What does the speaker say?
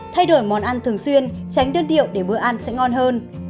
thay đổi món ăn thường xuyên tránh đơn điệu để bữa ăn sẽ ngon hơn